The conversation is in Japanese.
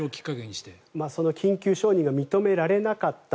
緊急承認が認められなかった。